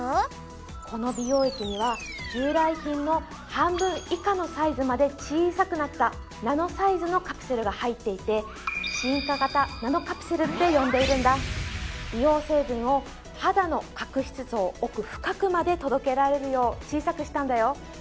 この美容液には従来品の半分以下のサイズまで小さくなったナノサイズのカプセルが入っていて進化型ナノカプセルって呼んでいるんだ美容成分を肌の角質層奥深くまで届けられるよう小さくしたんだよ